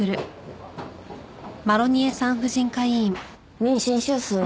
妊娠週数は？